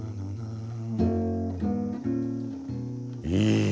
「いい！」